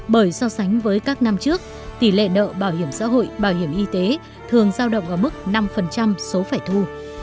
bởi so sánh với các năm trước tỷ lệ nợ bảo hiểm xã hội bảo hiểm y tế thường giao động ở mức năm số phải thu